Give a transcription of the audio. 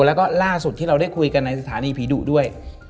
แล้วก็ล่าสุดที่เราได้คุยกันในสถานีผีดุด้วย